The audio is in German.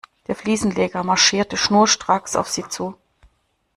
Der Fliesenleger marschierte schnurstracks auf sie zu.